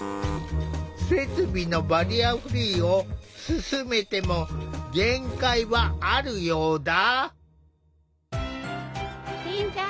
設備のバリアフリーを進めても限界はあるようだ。